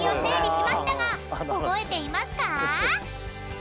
［覚えていますか？］